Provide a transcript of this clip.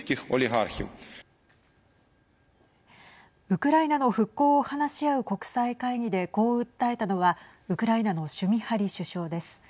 ウクライナの復興を話し合う国際会議で、こう訴えたのはウクライナのシュミハリ首相です。